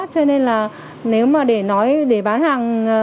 cho nên là nếu mà để nói để bán hàng